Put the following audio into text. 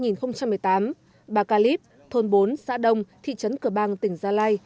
năm hai nghìn một mươi tám bà calip thôn bốn xã đông thị trấn cờ bang tỉnh gia lai